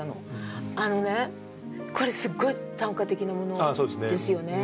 あのねこれすごい短歌的なものですよね。